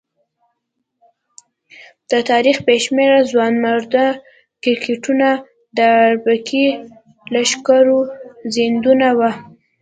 د تاریخ بې شمېره ځوانمراده کرکټرونه د اربکي لښکرو زېږنده وو.